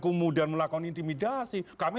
kemudian melakukan intimidasi kami